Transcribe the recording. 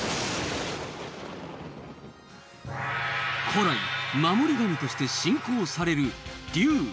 古来守り神として信仰される竜。